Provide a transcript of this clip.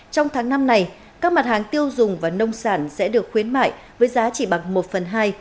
trong tháng năm này các mặt hàng tiêu dùng và nông sản sẽ được khuyến mại với giá chỉ bằng một phần hai